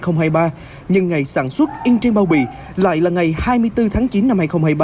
nhưng ngày sản xuất in trên bao bì lại là ngày hai mươi bốn tháng chín năm hai nghìn hai mươi ba